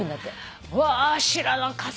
うわ知らなかったね。